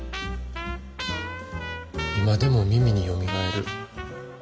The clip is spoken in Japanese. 今でも耳によみがえる。